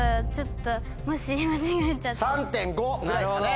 ３．５ぐらいですかね。